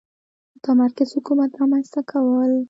متمرکز حکومت رامنځته کول.